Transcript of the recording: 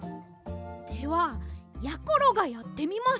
ではやころがやってみます！